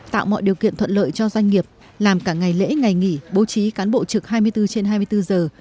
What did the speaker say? tạo mọi điều kiện thuận lợi cho doanh nghiệp làm cả ngày lễ ngày nghỉ bố trí cán bộ trực hai mươi bốn trên hai mươi bốn giờ